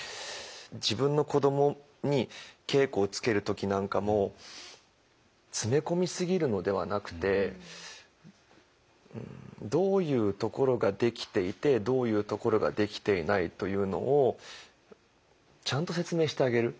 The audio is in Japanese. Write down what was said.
自分の子どもに稽古をつける時なんかも詰め込み過ぎるのではなくてどういうところができていてどういうところができていないというのをちゃんと説明してあげる。